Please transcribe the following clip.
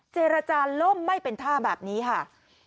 เจรจาล่มไม่เป็นท่าแบบนี้ค่ะ